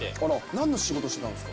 なんの仕事してたんですか？